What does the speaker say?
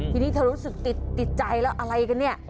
ทีนี้เธอรู้สึกติดใจแล้วอะไรกันเนี่ย